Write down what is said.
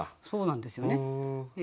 そうなんですよね。